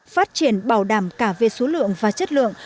phát triển bảo đảm cả về số lượng và chất lượng